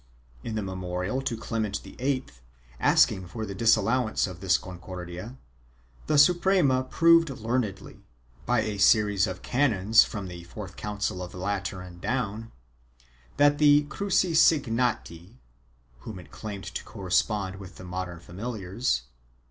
In the memorial to Clement VIII asking for the disallowance of this Concordia, the Suprema proved learnedly, by a series of canons from the fourth Council of Lateran down, that the cruce signati (whom it claimed to correspond with the modern familiars) were exempt.